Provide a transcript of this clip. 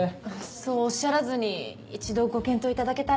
そうおっしゃらずに一度ご検討いただけたら。